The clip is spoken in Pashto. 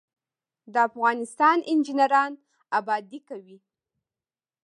د افغانستان انجنیران ابادي کوي